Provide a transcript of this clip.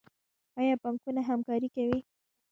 آیا بانکونه همکاري کوي؟